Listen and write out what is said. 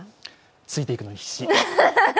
ついていくのに必死。